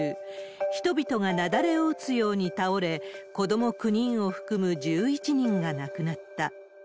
人々が雪崩を打つように倒れ、子ども９人を含む１１人が亡くなった。